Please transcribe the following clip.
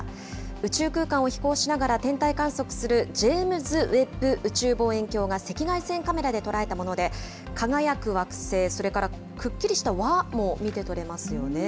宇宙空間を飛行しながら天体観測するジェームズ・ウェッブ宇宙望遠鏡が赤外線カメラで捉えたもので、輝く惑星、それからくっきりした輪も見て取れますよね。